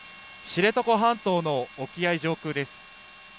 知床半島の沖合上空です。